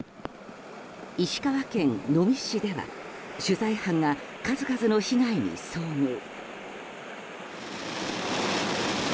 石川県能美市では取材班が数々の被害に遭遇。